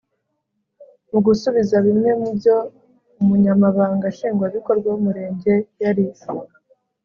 mu gusubiza bimwe mu byo umunyamabanga nshingwabikorwa w'umurenge yari